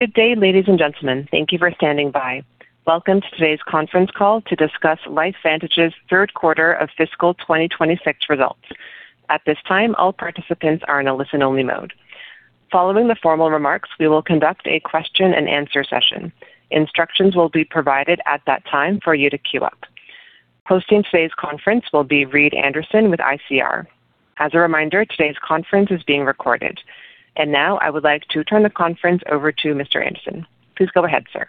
Good day, ladies and gentlemen. Thank you for standing by. Welcome to today's conference call to discuss LifeVantage's Q3 of fiscal 2026 results. At this time, all participants are in a listen-only mode. Following the formal remarks, we will conduct a question and answer session. Instructions will be provided at that time for you to queue up. Hosting today's conference will be Reed Anderson with ICR. As a reminder, today's conference is being recorded. Now I would like to turn the conference over to Mr. Anderson. Please go ahead, sir.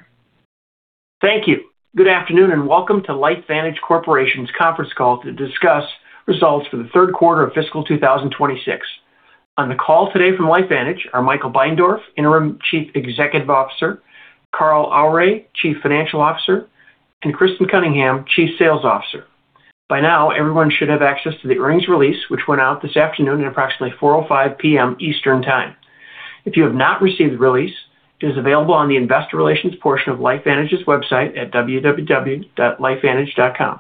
Thank you. Good afternoon, and welcome to LifeVantage Corporation's conference call to discuss results for the Q3 of fiscal 2026. On the call today from LifeVantage are Michael Beindorff, Interim Chief Executive Officer, Carl Aure, Chief Financial Officer, and Kristen Cunningham, Chief Sales Officer. By now, everyone should have access to the earnings release, which went out this afternoon at approximately 4:05 P.M. Eastern Time. If you have not received the release, it is available on the investor relations portion of LifeVantage's website at www.lifevantage.com.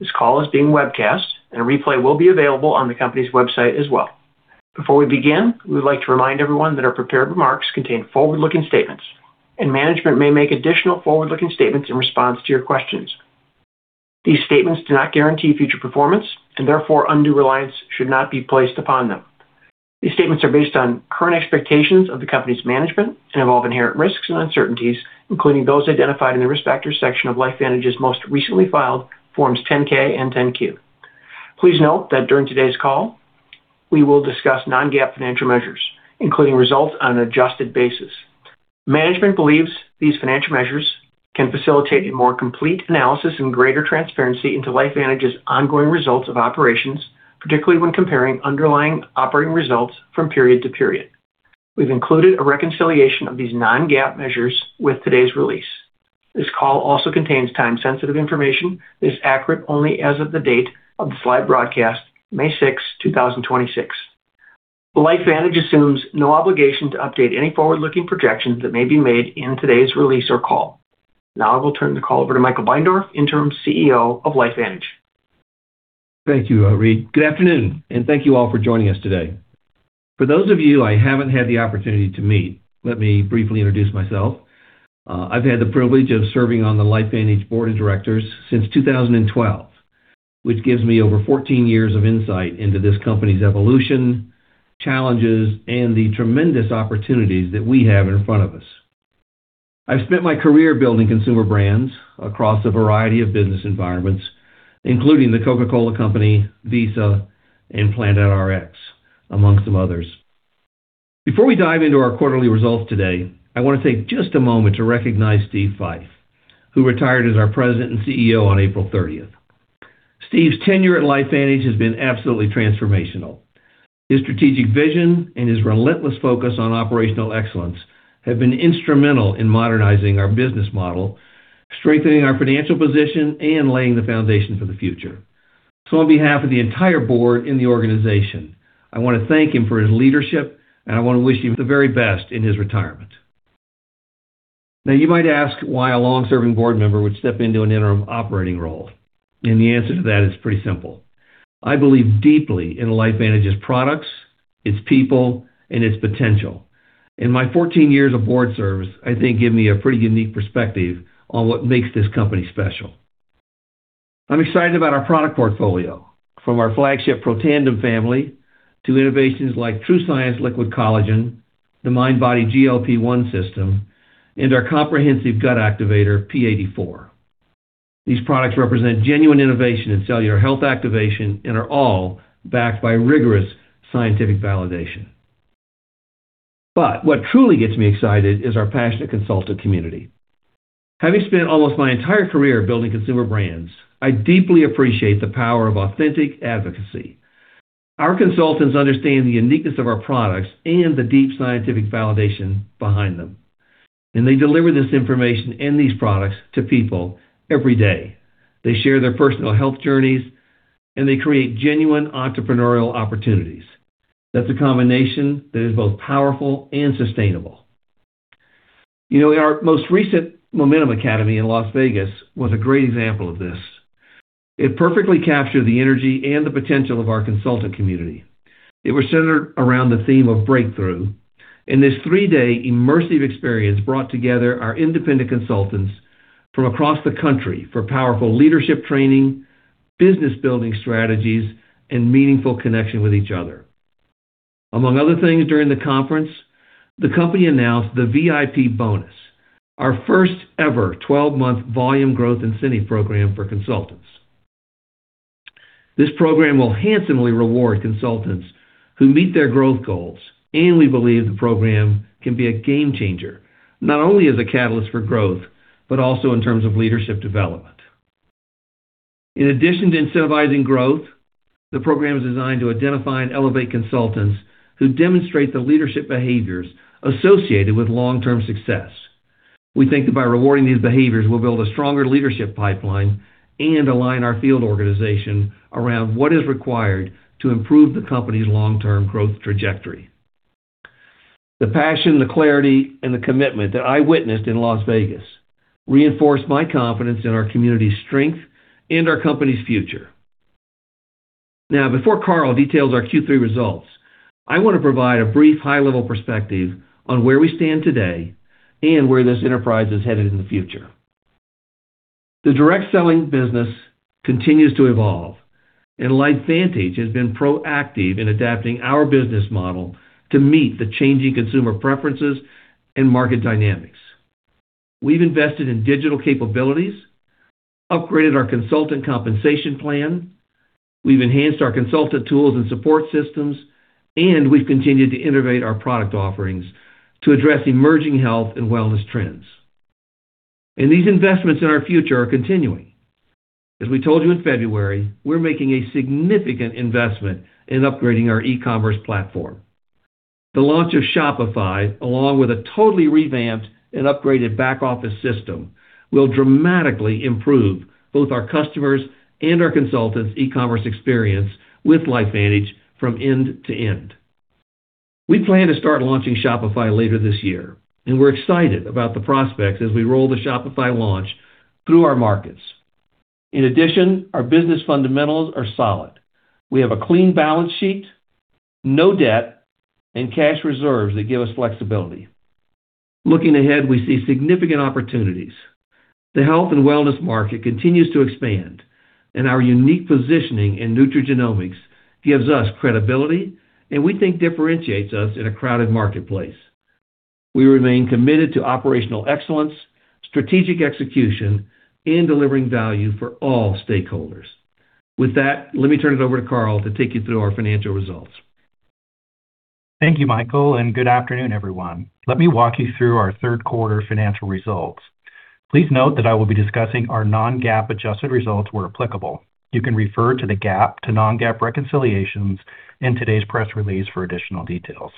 This call is being webcast, and a replay will be available on the company's website as well. Before we begin, we would like to remind everyone that our prepared remarks contain forward-looking statements, and management may make additional forward-looking statements in response to your questions. These statements do not guarantee future performance, and therefore, undue reliance should not be placed upon them. These statements are based on current expectations of the company's management and involve inherent risks and uncertainties, including those identified in the Risk Factors section of LifeVantage's most recently filed Forms 10-K and 10-Q. Please note that during today's call, we will discuss non-GAAP financial measures, including results on an adjusted basis. Management believes these financial measures can facilitate a more complete analysis and greater transparency into LifeVantage's ongoing results of operations, particularly when comparing underlying operating results from period to period. We've included a reconciliation of these non-GAAP measures with today's release. This call also contains time-sensitive information that is accurate only as of the date of the slide broadcast, May 6th, 2026. LifeVantage assumes no obligation to update any forward-looking projections that may be made in today's release or call. I will turn the call over to Michael Beindorff, Interim CEO of LifeVantage. Thank you, Reed. Good afternoon, and thank you all for joining us today. For those of you I haven't had the opportunity to meet, let me briefly introduce myself. I've had the privilege of serving on the LifeVantage board of directors since 2012, which gives me over 14 years of insight into this company's evolution, challenges, and the tremendous opportunities that we have in front of us. I've spent my career building consumer brands across a variety of business environments, including The Coca-Cola Company, Visa, and PlanetRx, among some others. Before we dive into our quarterly results today, I wanna take just a moment to recognize Steve Fife, who retired as our President and CEO on April 30th. Steve's tenure at LifeVantage has been absolutely transformational. His strategic vision and his relentless focus on operational excellence have been instrumental in modernizing our business model, strengthening our financial position, and laying the foundation for the future. On behalf of the entire board and the organization, I wanna thank him for his leadership, and I wanna wish him the very best in his retirement. You might ask why a long-serving board member would step into an interim operating role, and the answer to that is pretty simple. I believe deeply in LifeVantage's products, its people, and its potential. In my 14 years of board service, I think give me a pretty unique perspective on what makes this company special. I'm excited about our product portfolio, from our flagship Protandim family to innovations like TrueScience Liquid Collagen, the MindBody GLP-1 System, and our comprehensive Gut Activator, P84. These products represent genuine innovation in cellular health activation and are all backed by rigorous scientific validation. What truly gets me excited is our passionate consultant community. Having spent almost my entire career building consumer brands, I deeply appreciate the power of authentic advocacy. Our consultants understand the uniqueness of our products and the deep scientific validation behind them, and they deliver this information and these products to people every day. They share their personal health journeys, and they create genuine entrepreneurial opportunities. That's a combination that is both powerful and sustainable. You know, our most recent Momentum Academy in Las Vegas was a great example of this. It perfectly captured the energy and the potential of our consultant community. It was centered around the theme of breakthrough, and this three-day immersive experience brought together our independent consultants from across the country for powerful leadership training, business-building strategies, and meaningful connection with each other. Among other things during the conference, the company announced the VIP bonus, our first-ever 12-month volume growth incentive program for consultants. This program will handsomely reward consultants who meet their growth goals, and we believe the program can be a game changer, not only as a catalyst for growth, but also in terms of leadership development. In addition to incentivizing growth, the program is designed to identify and elevate consultants who demonstrate the leadership behaviors associated with long-term success. We think that by rewarding these behaviors, we'll build a stronger leadership pipeline and align our field organization around what is required to improve the company's long-term growth trajectory. The passion, the clarity, and the commitment that I witnessed in Las Vegas reinforced my confidence in our community's strength and our company's future. Now, before Carl Aure details our Q3 results, I want to provide a brief high-level perspective on where we stand today and where this enterprise is headed in the future. The direct selling business continues to evolve, and LifeVantage has been proactive in adapting our business model to meet the changing consumer preferences and market dynamics. We've invested in digital capabilities, upgraded our consultant compensation plan. We've enhanced our consultant tools and support systems, and we've continued to innovate our product offerings to address emerging health and wellness trends. These investments in our future are continuing. As we told you in February, we're making a significant investment in upgrading our e-commerce platform. The launch of Shopify, along with a totally revamped and upgraded back-office system, will dramatically improve both our customers' and our consultants' e-commerce experience with LifeVantage from end to end. We plan to start launching Shopify later this year, and we're excited about the prospects as we roll the Shopify launch through our markets. In addition, our business fundamentals are solid. We have a clean balance sheet, no debt, and cash reserves that give us flexibility. Looking ahead, we see significant opportunities. The health and wellness market continues to expand, and our unique positioning in nutrigenomics gives us credibility, and we think differentiates us in a crowded marketplace. We remain committed to operational excellence, strategic execution, and delivering value for all stakeholders. With that, let me turn it over to Carl to take you through our financial results. Thank you, Michael, and good afternoon, everyone. Let me walk you through our Q3 financial results. Please note that I will be discussing our non-GAAP adjusted results where applicable. You can refer to the GAAP to non-GAAP reconciliations in today's press release for additional details.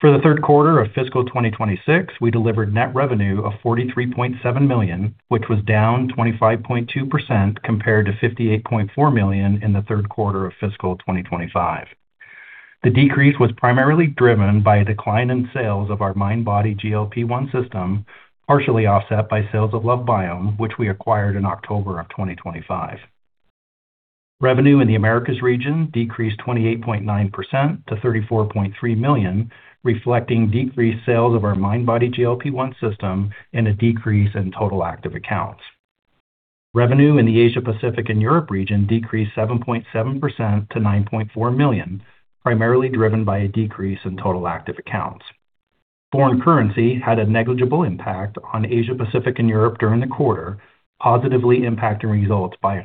For the Q3 of fiscal 2026, we delivered net revenue of $43.7 million, which was down 25.2% compared to $58.4 million in the Q3 of fiscal 2025. The decrease was primarily driven by a decline in sales of our MindBody GLP-1 System, partially offset by sales of LoveBiome, which we acquired in October of 2025. Revenue in the Americas region decreased 28.9% - $34.3 million, reflecting decreased sales of our MindBody GLP-1 System and a decrease in total active accounts. Revenue in the Asia Pacific and Europe region decreased 7.7% - $9.4 million, primarily driven by a decrease in total active accounts. Foreign currency had a negligible impact on Asia Pacific and Europe during the quarter, positively impacting results by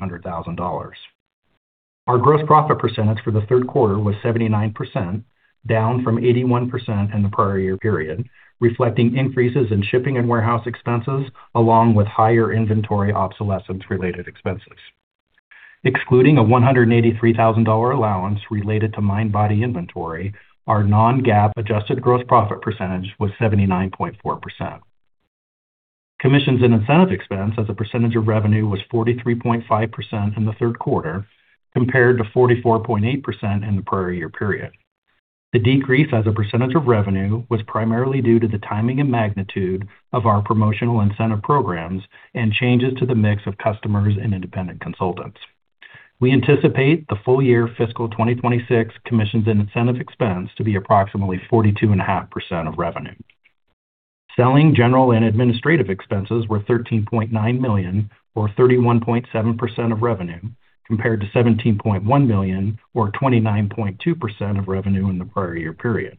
$100,000. Our gross profit percentage for the Q3 was 79%, down from 81% in the prior year period, reflecting increases in shipping and warehouse expenses along with higher inventory obsolescence-related expenses. Excluding a $183,000 allowance related to MindBody inventory, our non-GAAP adjusted gross profit percentage was 79.4%. Commissions and incentive expense as a percentage of revenue was 43.5% in the Q3 compared to 44.8% in the prior year period. The decrease as a percentage of revenue was primarily due to the timing and magnitude of our promotional incentive programs and changes to the mix of customers and independent consultants. We anticipate the full year fiscal 2026 commissions and incentive expense to be approximately 42.5% of revenue. Selling, general, and administrative expenses were $13.9 million or 31.7% of revenue compared to $17.1 million or 29.2% of revenue in the prior year period.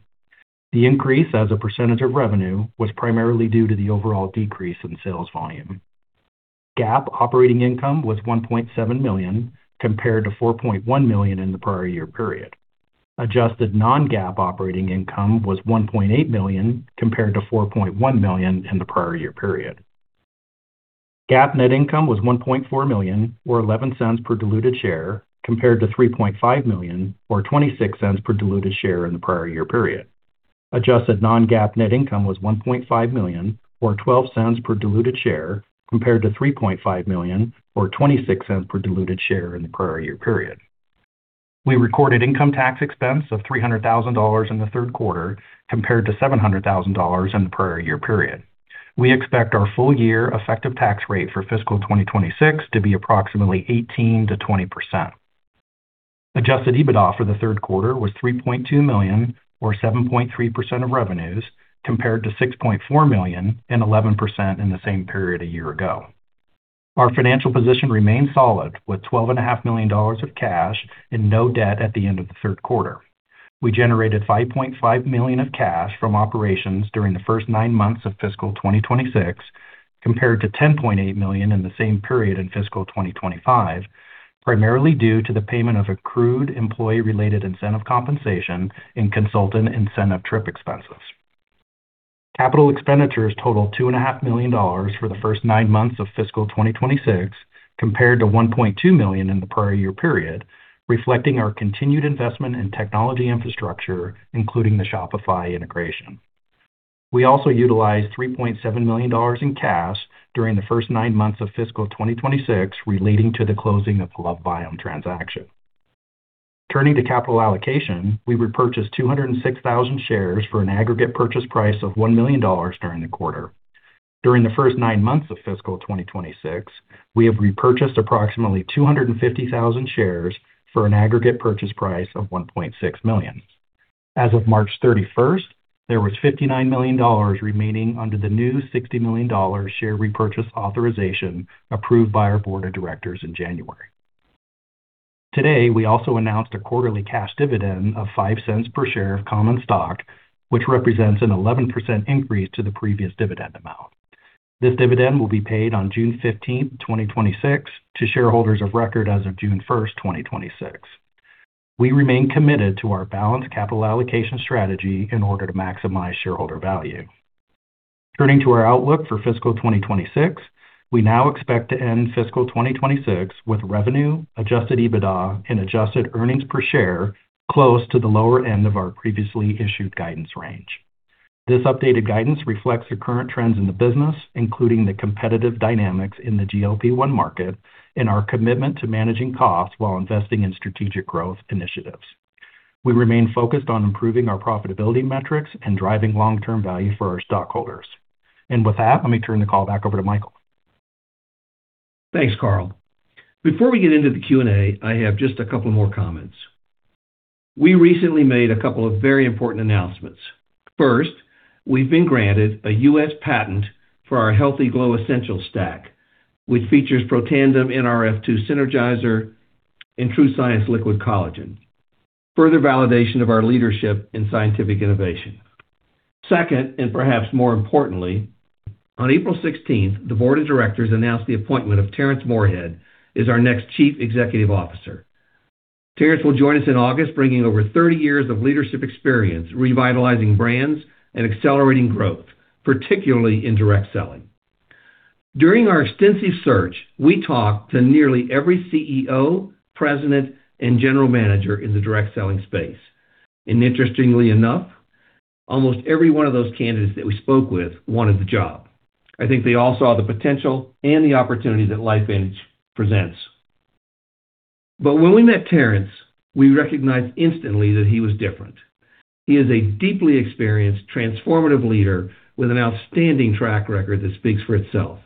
The increase as a percentage of revenue was primarily due to the overall decrease in sales volume. GAAP operating income was $1.7 million compared to $4.1 million in the prior year period. Adjusted non-GAAP operating income was $1.8 million compared to $4.1 million in the prior year period. GAAP net income was $1.4 million or $0.11 per diluted share compared to $3.5 million or $0.26 per diluted share in the prior year period. Adjusted non-GAAP net income was $1.5 million or $0.12 per diluted share compared to $3.5 million or $0.26 per diluted share in the prior year period. We recorded income tax expense of $300,000 in the Q3 compared to $700,000 in the prior year period. We expect our full year effective tax rate for fiscal 2026 to be approximately 18%-20%. Adjusted EBITDA for the Q3 was $3.2 million or 7.3% of revenues compared to $6.4 million and 11% in the same period a year ago. Our financial position remains solid with twelve and a half million dollars of cash and no debt at the end of the Q3. We generated $5.5 million of cash from operations during the first nine months of fiscal 2026 compared to $10.8 million in the same period in fiscal 2025, primarily due to the payment of accrued employee-related incentive compensation and consultant incentive trip expenses. Capital expenditures totaled two and a half million dollars for the first nine months of fiscal 2026 compared to $1.2 million in the prior year period, reflecting our continued investment in technology infrastructure, including the Shopify integration. We also utilized $3.7 million in cash during the first nine months of fiscal 2026 relating to the closing of the LoveBiome transaction. Turning to capital allocation, we repurchased 206,000 shares for an aggregate purchase price of $1 million during the quarter. During the first nine months of fiscal 2026, we have repurchased approximately 250,000 shares for an aggregate purchase price of $1.6 million. As of March 31st, there was $59 million remaining under the new $60 million share repurchase authorization approved by our board of directors in January. Today, we also announced a quarterly cash dividend of $0.05 per share of common stock, which represents an 11% increase to the previous dividend amount. This dividend will be paid on June 15th, 2026, to shareholders of record as of June 1, 2026. We remain committed to our balanced capital allocation strategy in order to maximize shareholder value. Turning to our outlook for fiscal 2026, we now expect to end fiscal 2026 with revenue, adjusted EBITDA, and adjusted earnings per share close to the lower end of our previously issued guidance range. This updated guidance reflects the current trends in the business, including the competitive dynamics in the GLP-1 market and our commitment to managing costs while investing in strategic growth initiatives. We remain focused on improving our profitability metrics and driving long-term value for our stockholders. With that, let me turn the call back over to Michael. Thanks, Carl Aure. Before we get into the Q&A, I have just a couple more comments. We recently made a couple of very important announcements. First, we've been granted a U.S. patent for our Healthy Glow Essentials Stack, which features Protandim Nrf2 Synergizer and TrueScience Liquid Collagen. Further validation of our leadership in scientific innovation. Second, and perhaps more importantly, on April 16th, the board of directors announced the appointment of Terrence Moorehead as our next Chief Executive Officer. Terrence will join us in August, bringing over 30 years of leadership experience, revitalizing brands, and accelerating growth, particularly in direct selling. Interestingly enough, almost every one of those candidates that we spoke with wanted the job. I think they all saw the potential and the opportunity that LifeVantage presents. When we met Terrence, we recognized instantly that he was different. He is a deeply experienced, transformative leader with an outstanding track record that speaks for itself.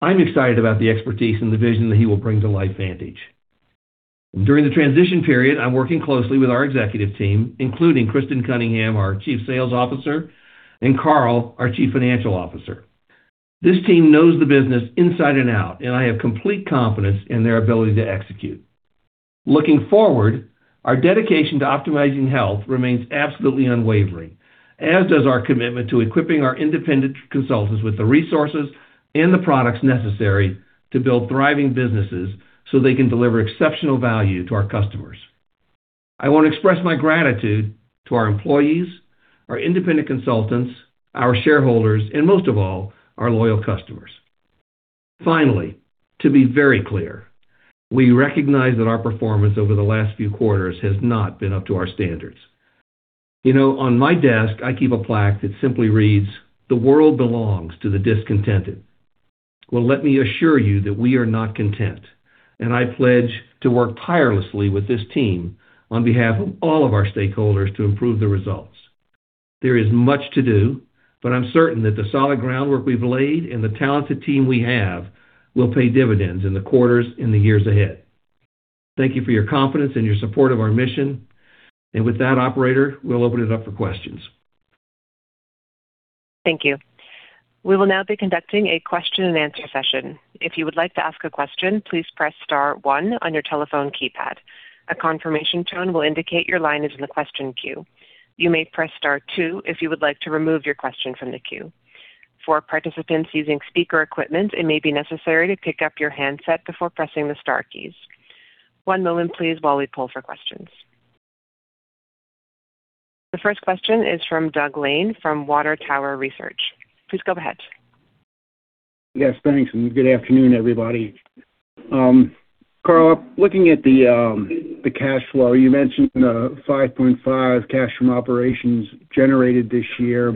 I'm excited about the expertise and the vision that he will bring to LifeVantage. During the transition period, I'm working closely with our executive team, including Kristen Cunningham, our Chief Sales Officer, and Carl Aure, our Chief Financial Officer. This team knows the business inside and out, and I have complete confidence in their ability to execute. Looking forward, our dedication to optimizing health remains absolutely unwavering, as does our commitment to equipping our independent consultants with the resources and the products necessary to build thriving businesses so they can deliver exceptional value to our customers. I want to express my gratitude to our employees, our independent consultants, our shareholders, and most of all, our loyal customers. Finally, to be very clear, we recognize that our performance over the last few quarters has not been up to our standards. You know, on my desk, I keep a plaque that simply reads, "The world belongs to the discontented." Well, let me assure you that we are not content, and I pledge to work tirelessly with this team on behalf of all of our stakeholders to improve the results. There is much to do, but I'm certain that the solid groundwork we've laid and the talented team we have will pay dividends in the quarters and the years ahead. Thank you for your confidence and your support of our mission. With that, operator, we'll open it up for questions. Thank you. We will now be conducting a question-and-answer session. If you would like to ask a question, please press star one on your telephone keypad. A confirmation tone will indicate your line is in the question queue. You may press star two if you would like to remove your question from the queue. For participants using speaker equipment, it may be necessary to pick up your handset before pressing the star keys. One moment, please, while we poll for questions. The first question is from Doug Lane from Water Tower Research. Please go ahead. Yes, thanks. Good afternoon, everybody. Carl, looking at the cash flow, you mentioned $5.5 cash from operations generated this year.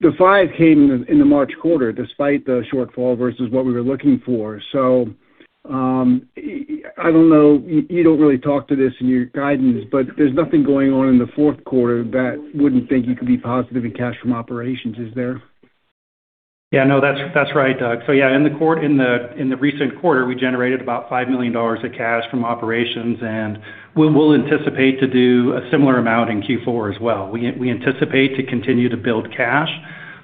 The $5 came in the March quarter despite the shortfall versus what we were looking for. I don't know, you don't really talk to this in your guidance, there's nothing going on in the Q4 that wouldn't think you could be positive in cash from operations, is there? No, that's right, Doug. In the recent quarter, we generated about $5 million of cash from operations, and we'll anticipate to do a similar amount in Q4 as well. We anticipate to continue to build cash.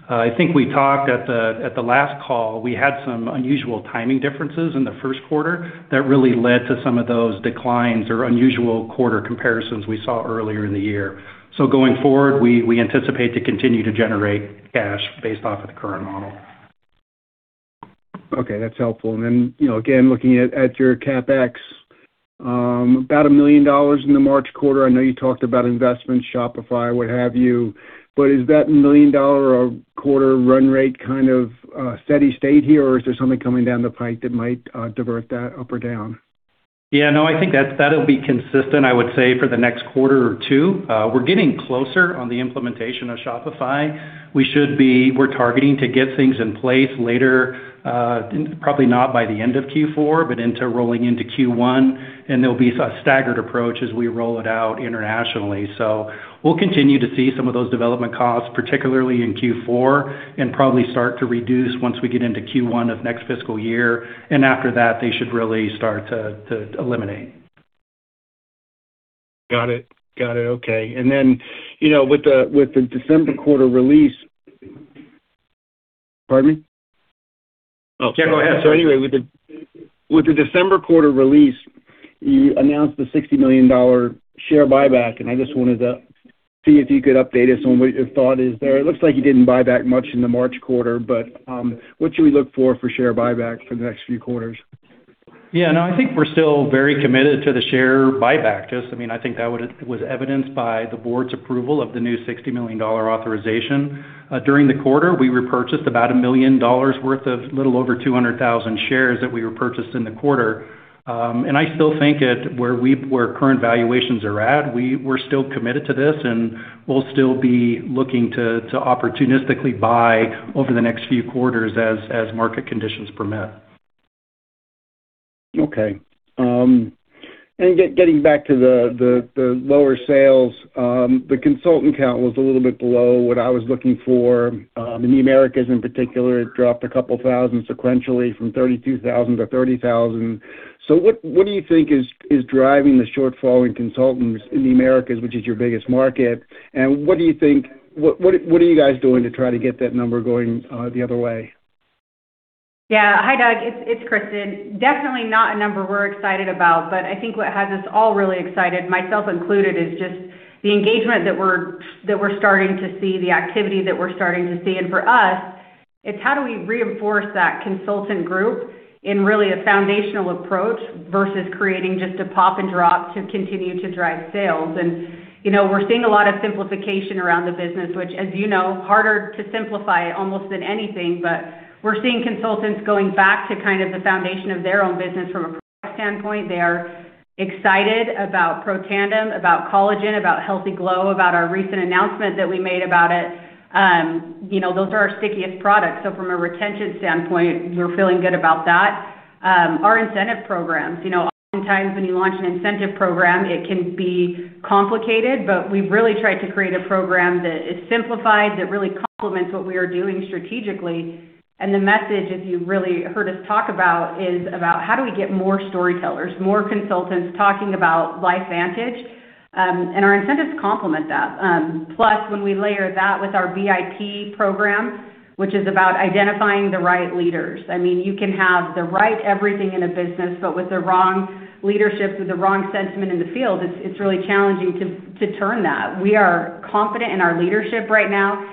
I think we talked at the last call, we had some unusual timing differences in the Q1 that really led to some of those declines or unusual quarter comparisons we saw earlier in the year. Going forward, we anticipate to continue to generate cash based off of the current model. Okay, that's helpful. you know, again, looking at your CapEx, about $1 million in the March quarter. I know you talked about investments, Shopify, what have you, is that $1 million a quarter run rate kind of a steady state here, or is there something coming down the pipe that might divert that up or down? Yeah, no, I think that's, that'll be consistent, I would say, for the next quarter or two. We're getting closer on the implementation of Shopify. We're targeting to get things in place later, probably not by the end of Q4, but into rolling into Q1. There'll be a staggered approach as we roll it out internationally. We'll continue to see some of those development costs, particularly in Q4, and probably start to reduce once we get into Q1 of next fiscal year. After that, they should really start to eliminate. Got it. Okay. You know, with the December quarter release Pardon me? Oh, yeah. Anyway, with the, with the December quarter release, you announced the $60 million share buyback, and I just wanted to see if you could update us on what your thought is there. It looks like you didn't buy back much in the March quarter, but what should we look for for share buyback for the next few quarters? I think we're still very committed to the share buyback. Just, I mean, I think that was evidenced by the board's approval of the new $60 million authorization. During the quarter, we repurchased about $1 million worth of a little over 200,000 shares that we repurchased in the quarter. I still think where current valuations are at, we're still committed to this, and we'll still be looking to opportunistically buy over the next few quarters as market conditions permit. Okay. Getting back to the lower sales, the consultant count was a little bit below what I was looking for. In the Americas in particular, it dropped a couple thousand sequentially from 32,000 to 30,000. What do you think is driving the shortfall in consultants in the Americas, which is your biggest market? What do you think, what are you guys doing to try to get that number going the other way? Hi, Doug. It's Kristen. Definitely not a number we're excited about, but I think what has us all really excited, myself included, is just the engagement that we're starting to see, the activity that we're starting to see. For us, it's how do we reinforce that consultant group in really a foundational approach versus creating just a pop and drop to continue to drive sales. You know, we're seeing a lot of simplification around the business, which, as you know, harder to simplify almost than anything. We're seeing consultants going back to kind of the foundation of their own business from a standpoint. They are excited about Protandim, about collagen, about Healthy Glow, about our recent announcement that we made about it. You know, those are our stickiest products. From a retention standpoint, we're feeling good about that. Our incentive programs, you know, oftentimes when you launch an incentive program, it can be complicated, but we've really tried to create a program that is simplified, that really complements what we are doing strategically. The message, if you really heard us talk about, is about how do we get more storytellers, more consultants talking about LifeVantage, and our incentives complement that. Plus when we layer that with our VIP Program, which is about identifying the right leaders. I mean, you can have the right everything in a business, but with the wrong leadership, with the wrong sentiment in the field, it's really challenging to turn that. We are confident in our leadership right now,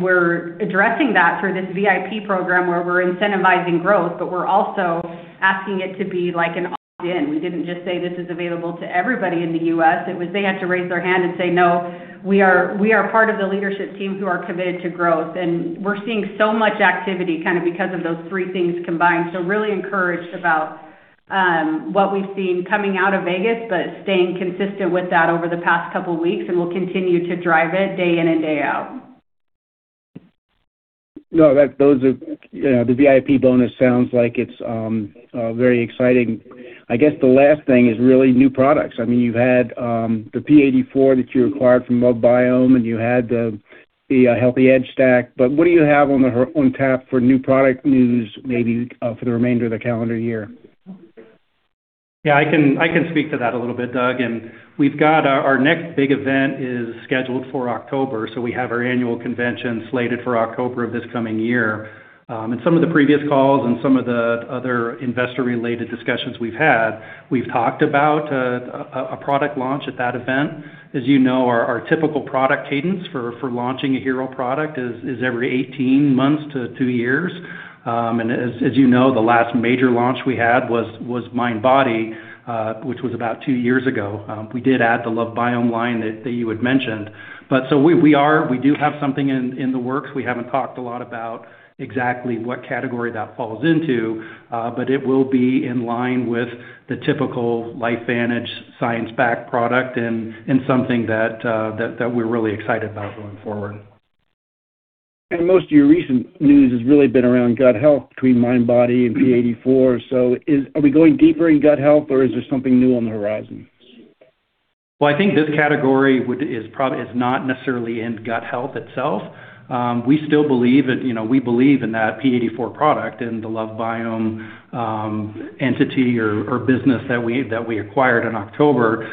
we're addressing that through this VIP Program where we're incentivizing growth, but we're also asking it to be like an opt-in. We didn't just say this is available to everybody in the U.S. It was they had to raise their hand and say, "No, we are, we are part of the leadership team who are committed to growth." We're seeing so much activity kind of because of those three things combined. Really encouraged about what we've seen coming out of Vegas, but staying consistent with that over the past couple weeks, and we'll continue to drive it day in and day out. No, those are, you know, the VIP bonus sounds like it's very exciting. I guess the last thing is really new products. I mean, you've had the P84 that you acquired from LoveBiome, and you had the Healthy Edge Stack, what do you have on tap for new product news, maybe for the remainder of the calendar year? Yeah, I can speak to that a little bit, Doug. We've got our next big event is scheduled for October, so we have our annual convention slated for October of this coming year. In some of the previous calls and some of the other investor-related discussions we've had, we've talked about a product launch at that event. As you know, our typical product cadence for launching a hero product is every 18 months to two years. As you know, the last major launch we had was MindBody, which was about two years ago. We did add the LoveBiome line that you had mentioned. We do have something in the works. We haven't talked a lot about exactly what category that falls into, but it will be in line with the typical LifeVantage science-backed product and something that we're really excited about going forward. Most of your recent news has really been around gut health between MindBody and P84. Are we going deeper in gut health or is there something new on the horizon? I think this category is not necessarily in gut health itself. We still believe in, you know, we believe in that P84 product and the LoveBiome entity or business that we acquired in October.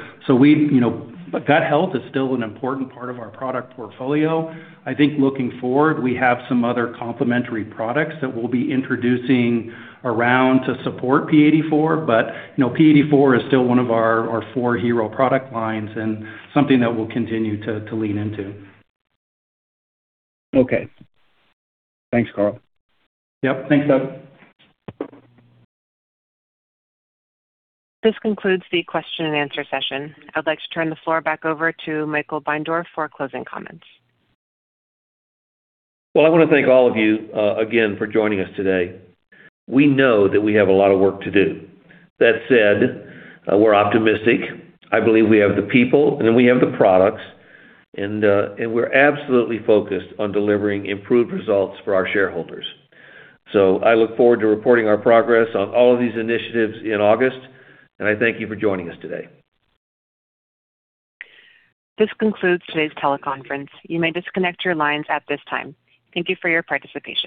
We, you know, Gut health is still an important part of our product portfolio. I think looking forward, we have some other complementary products that we'll be introducing around to support P84. You know, P84 is still one of our four hero product lines and something that we'll continue to lean into. Okay. Thanks, Carl. Yep. Thanks, Doug. This concludes the question and answer session. I'd like to turn the floor back over to Michael Beindorff for closing comments. Well, I wanna thank all of you again for joining us today. We know that we have a lot of work to do. That said, we're optimistic. I believe we have the people and we have the products and we're absolutely focused on delivering improved results for our shareholders. I look forward to reporting our progress on all of these initiatives in August, and I thank you for joining us today. This concludes today's teleconference. You may disconnect your lines at this time. Thank you for your participation.